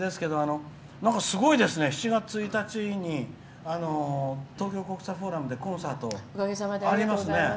すごいですね、７月１日に東京国際フォーラムでコンサートがありますね。